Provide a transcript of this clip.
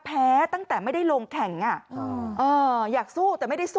แพ้ตั้งแต่ไม่ได้ลงแข่งอยากสู้แต่ไม่ได้สู้